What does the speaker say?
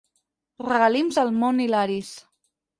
Regalims al Mons Hilaris.